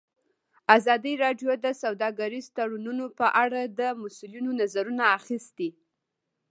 ازادي راډیو د سوداګریز تړونونه په اړه د مسؤلینو نظرونه اخیستي.